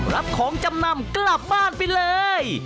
รับของจำนำกลับบ้านไปเลย